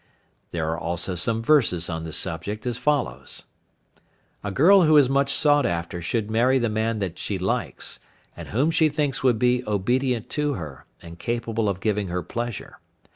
There are also some verses on the subject as follows: A girl who is much sought after should marry the man that she likes, and whom she thinks would be obedient to her, and capable of giving her pleasure.